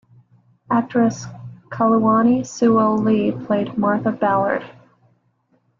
Actress Kaluani Sewell Lee played Martha Ballard.